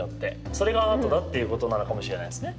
それがアートだっていうことなのかもしれないですね